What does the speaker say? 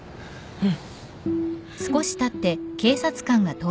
うん。